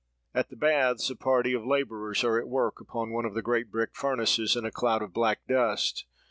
"At the baths, a party of labourers are at work upon one of the great brick furnaces, in a cloud of black dust.